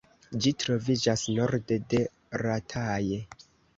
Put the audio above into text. Ĝi troviĝas norde de Rataje.